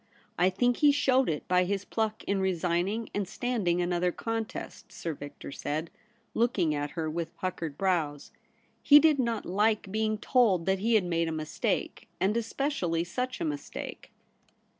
I think he showed it by his pluck in resigning and standing another contest,' Sir Victor said, looking at her with puckered brows. He did not like being told that he had made a mis take, and especially such a mistake.